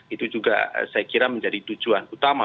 itu juga saya kira menjadi tujuan utama